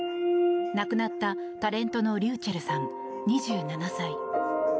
亡くなったタレントのｒｙｕｃｈｅｌｌさん２７歳。